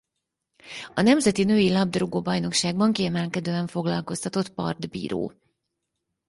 A nemzeti női labdarúgó bajnokságban kiemelkedően foglalkoztatott partbíró.